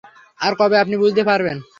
আর কবে আপনি বুঝতে পারবেন?